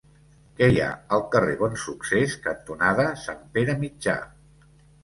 Què hi ha al carrer Bonsuccés cantonada Sant Pere Mitjà?